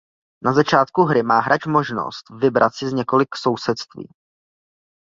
Na začátku hry má hráč možnost vybrat si z několik sousedství.